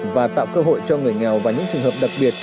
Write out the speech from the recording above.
và tạo cơ hội cho người nghèo và những trường hợp đặc biệt